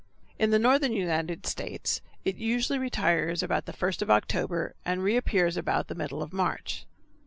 In the northern United States it usually retires about the first of October and reappears about the middle of March.